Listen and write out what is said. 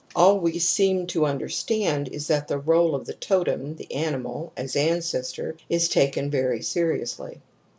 All we seem to under stand is that the r61e of the totem (the animal) as ancestor is taken vpry seriously.